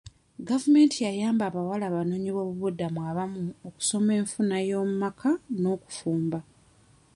Gavumenti yayamba abawala abanoonyiboobubudamu abamu okusoma enfuna y'omu maka n'okufumba